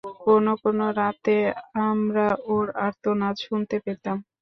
কোন কোন রাতে, আমরা ওর আর্তনাদ শুনতে পেতাম।